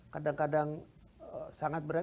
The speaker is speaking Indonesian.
kadang kadang sangat berat